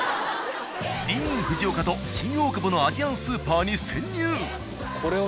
ディーン・フジオカと新大久保のアジアンスーパーに潜入！